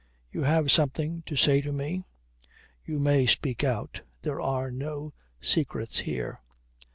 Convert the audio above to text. "You have something to say to me? You may speak out. There are no secrets here."